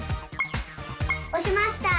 おしました！